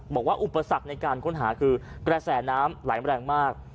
บอกว่าอุปสรรคในการค้นหาคือกระแสน้ำหลายแม่งมาก